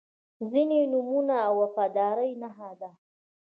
• ځینې نومونه د وفادارۍ نښه ده.